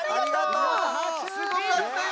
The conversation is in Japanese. すごかったよ。